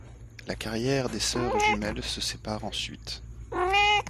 La carrière des sœurs jumelles se sépare ensuite.